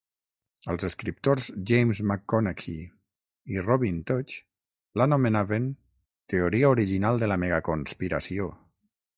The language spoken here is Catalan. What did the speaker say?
Els escriptors James McConnachie i Robin Tudge l'anomenaven "teoria original de la megaconspiració".